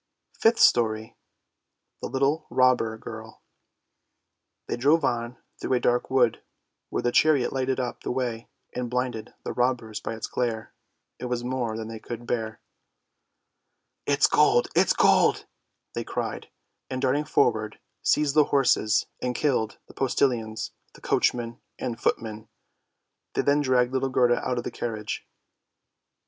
FIFTH STORY THE LITTLE ROBBER GIRL They drove on through a dark wood, where the chariot lighted up the way and blinded the robbers by its glare; it was more than they could bear. " It is gold, it is gold! " they cried, and darting forward, seized the horses, and killed the postilions, the coachman, and footman. They then dragged little Gerda out of the carriage.